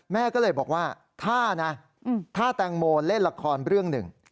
แม่ก็เลยบอกว่าถ้านะถ้าแตงโมเล่นละครเรื่องหนึ่ง